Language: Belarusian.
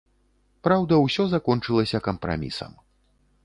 Праўда, усё закончылася кампрамісам.